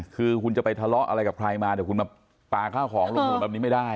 คือคุณจะไปทะเลาะอะไรกับใครมาเดี๋ยวคุณมาปลาข้าวของลงหัวแบบนี้ไม่ได้